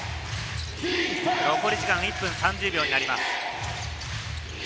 残り時間は１分３０秒になります。